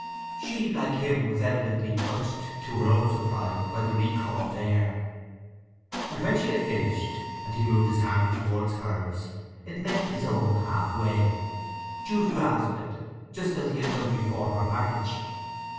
She, like him, was evidently touched—to her own surprise—by the recalled air; and when she had finished, and he moved his hand towards hers, it met his own half way. Jude grasped it—just as he had done before her marriage.